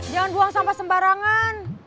jangan buang sampah sembarangan